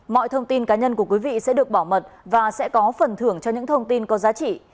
mọi thông tin cá nhân của quý vị sẽ được bảo mật và sẽ có phần thưởng cho những thông tin có giá trị